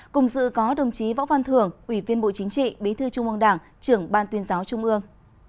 cùng dự có đồng chí võ văn thưởng ủy viên bộ chính trị bí thư trung mong đảng trưởng ban tuyên giáo trung ương